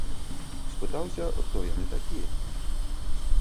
Спытаўся, хто яны такія.